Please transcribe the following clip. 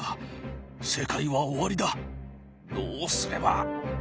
どうすれば。